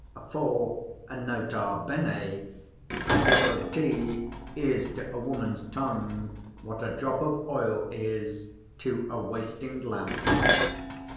(For, nota bene, a drop of tea is to a woman's tongue what a drop of oil is to a wasting lamp.)